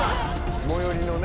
最寄りのね。